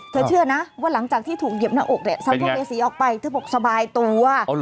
เชื่อนะว่าหลังจากที่ถูกเหยียบหน้าอกเนี่ยสัมภเวษีออกไปเธอบอกสบายตัว